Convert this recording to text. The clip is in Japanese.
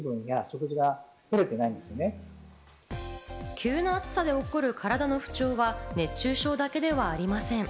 急な暑さで起こる体の不調は熱中症だけではありません。